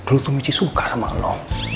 lo tuh michi suka sama lo